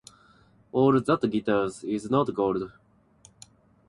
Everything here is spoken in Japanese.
“All that glitters is not gold.”